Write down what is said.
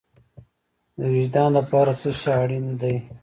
د وجدان لپاره څه شی اړین دی؟